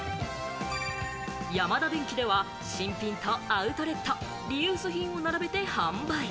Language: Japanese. ヤマダデンキでは新品とアウトレット、リユース品を並べて販売。